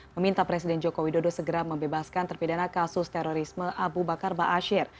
meminta presiden joko widodo segera membebaskan terpidana kasus terorisme abu bakar ba'asyir